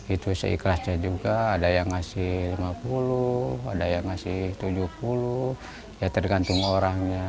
itu seikhlasnya juga ada yang ngasih lima puluh ada yang ngasih tujuh puluh ya tergantung orangnya